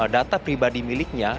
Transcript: data pribadi miliknya